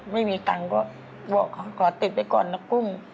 ไม่มีตังค์ก็บอกขอติดไว้ก่อนนะกุ้ง